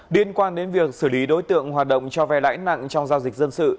điên quan đến việc xử lý đối tượng hoạt động cho vẻ lãi nặng trong giao dịch dân sự